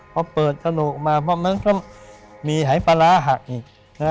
พอเปิดสนุกมาเพราะมันก็มีหายปลาร้าหักอีก